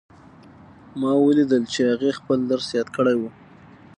ما ولیدل چې هغې خپل درس یاد کړی وو